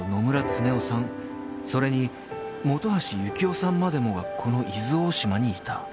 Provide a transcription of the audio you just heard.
［それに本橋幸雄さんまでもがこの伊豆大島にいた］